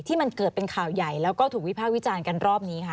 ที่มันเกิดเป็นข่าวใหญ่แล้วก็ถูกวิภาควิจารณ์กันรอบนี้ค่ะ